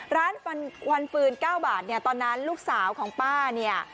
ร้านควันฟืน๙บาทตอนนั้นลูกสาวของป้าเนี่ย